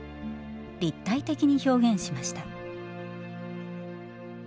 立体的に表現しました。